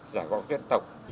cảm ơn các bạn